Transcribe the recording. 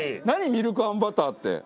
ミルクあんバターって。